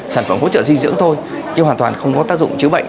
sản phẩm hỗ trợ dinh dưỡng thôi chứ hoàn toàn không có tác dụng chữa bệnh